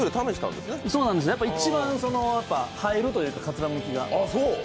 一番映えるというか、かつらむきが。